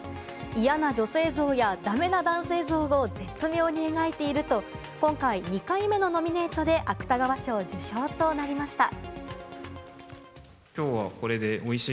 嫌な女性像や、だめな男性像を絶妙に描いていると今回、２回目のノミネートで芥川賞受賞となりました。